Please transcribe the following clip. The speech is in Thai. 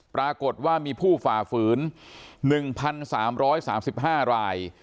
ปรากฏว่ามีผู้ฝ่าฝืน๑๓๓๕ราย